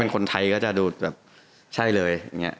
ใครก็จะดูแบบใช่เลย